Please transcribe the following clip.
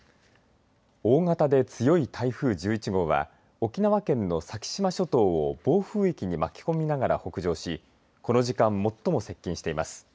大型で強い台風１１号は沖縄県の先島諸島を暴風域に巻き込みながら北上しこの時間最も接近しています。